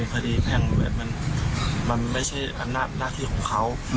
อาจจะไปเป็นคดีแบบมันไม่ใช่หน้าที่ของเขา